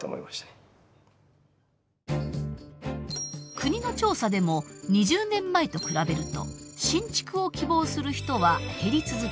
国の調査でも２０年前と比べると新築を希望する人は減り続け